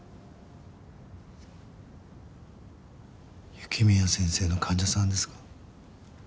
雪宮先生の患者さんですか？